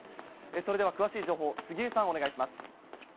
それでは詳しい情報、杉江さん、お願いします。